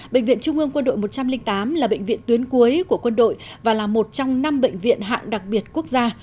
bệnh viện trung ương quân đội một trăm linh tám là bệnh viện tuyến cuối của quân đội và là một trong năm bệnh viện hạng đặc biệt quốc gia